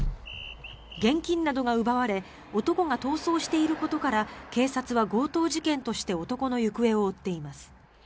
現金などが奪われ男が逃走していることから警察は強盗事件として男の行方を追っています。